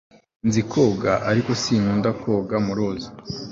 nzi koga, ariko sinkunda koga muruzi